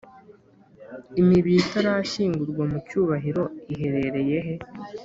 Imibiri itarashyingurwa mu cyubahiro iherereye he?